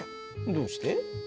どうして？